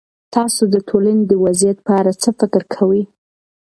تاسو د ټولنې د وضعيت په اړه څه فکر کوئ؟